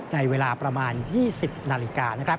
ในเวลาประมาณ๒๐นาฬิกานะครับ